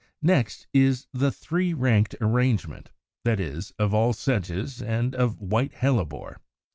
Next is the 187. =Three ranked= arrangement, that of all Sedges, and of White Hellebore.